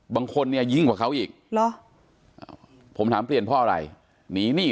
บางคนเนี่ยยิ่งกว่าเขาอีกหรอผมถามเปลี่ยนเพราะอะไรหนีหนี้